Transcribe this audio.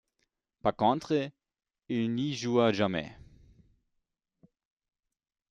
Par contre, il n'y joua jamais.